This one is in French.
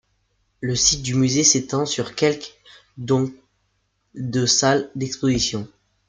Le site du musée s’étend sur quelque dont de salles d’exposition.